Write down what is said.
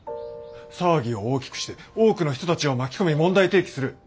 騒ぎを大きくして多くの人たちを巻き込み問題提起する。